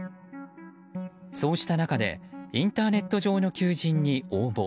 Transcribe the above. そうした中でインターネット上の求人に応募。